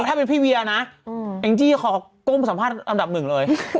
ถ้าเป็นพี่เวียนะแองจี้ขอก้มสัมภาษณ์อันดับหนึ่งเลย